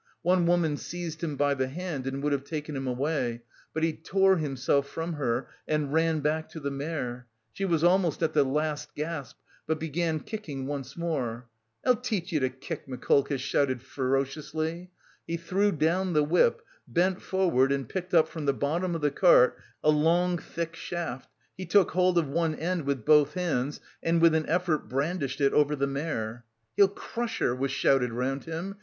One woman seized him by the hand and would have taken him away, but he tore himself from her and ran back to the mare. She was almost at the last gasp, but began kicking once more. "I'll teach you to kick," Mikolka shouted ferociously. He threw down the whip, bent forward and picked up from the bottom of the cart a long, thick shaft, he took hold of one end with both hands and with an effort brandished it over the mare. "He'll crush her," was shouted round him.